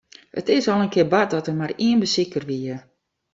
It is al in kear bard dat der mar ien besiker wie.